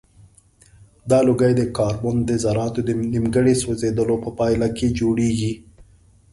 دا لوګی د کاربن د ذراتو د نیمګړي سوځیدلو په پایله کې جوړیږي.